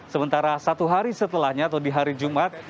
sementara satu hari setelahnya atau di hari jumat